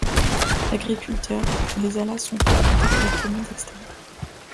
Agriculteurs, les Alas ont peu de contacts avec le monde extérieur.